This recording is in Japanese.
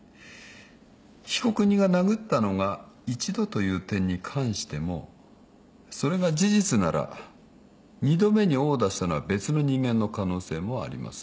被告人が殴ったのが１度という点に関してもそれが事実なら２度目に殴打したのは別の人間の可能性もあります。